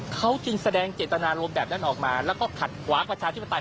เขาจึงแสดงเจตนารมณ์แบบนั้นออกมาแล้วก็ขัดขวางประชาธิปไตย